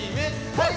はい！